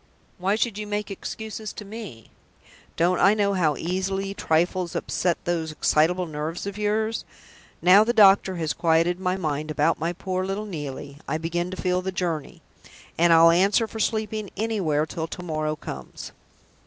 Why should you make excuses to me? Don't I know how easily trifles upset those excitable nerves of yours? Now the doctor has quieted my mind about my poor little Neelie, I begin to feel the journey; and I'll answer for sleeping anywhere till to morrow comes."